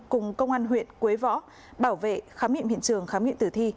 cùng công an huyện quế võ bảo vệ khám nghiệm hiện trường khám nghiệm tử thi